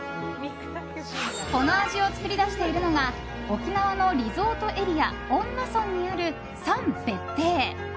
この味を作り出しているのが沖縄のリゾートエリア恩納村にある、燦別邸。